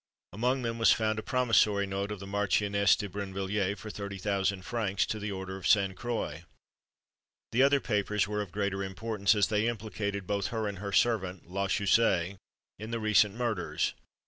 Among them was found a promissory note of the Marchioness de Brinvilliers, for thirty thousand francs, to the order of Sainte Croix. The other papers were of greater importance, as they implicated both her and her servant, La Chaussée, in the recent murders.